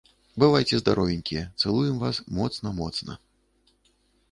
Бывайце здаровенькія цалуем вас моцна моцна.